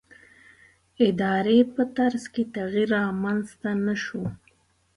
ادارې په طرز کې تغییر رامنځته نه شو.